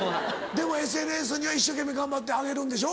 でもＳＮＳには一生懸命頑張って上げるんでしょ？